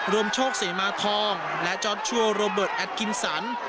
โชคเสมาทองและจอร์ดชัวร์โรเบิร์ตแอดกินสัน